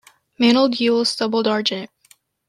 Mantled gules doubled argent.